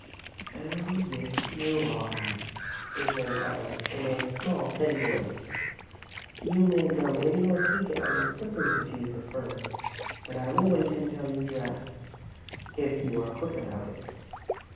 "Oh, yes, you are," returned Madame, in a small, thin voice. "You may go in your tea gown and slippers if you prefer, but I will wait until you dress, if you are quick about it."